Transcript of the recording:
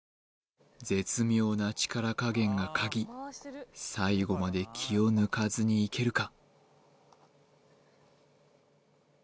絶妙な力加減が鍵最後まで気を抜かずにいけるか？